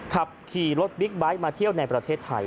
ขับขี่รถบิ๊กไบท์มาเที่ยวในประเทศไทย